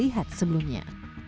seperti alat alat sebelumnya